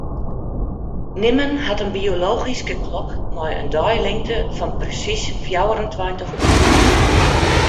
Nimmen hat in biologyske klok mei in deilingte fan persiis fjouwerentweintich oeren.